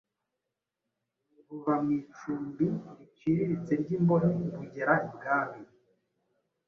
buva mu icumbi riciriritse ry’imbohe bugera ibwami.